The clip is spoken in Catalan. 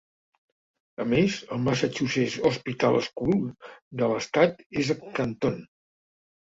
A més, el Massachusetts Hospital School de l'estat és a Canton.